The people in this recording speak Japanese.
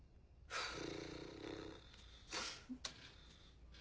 フゥ。